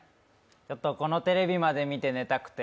ちょっとこのテレビまで見て寝たくて。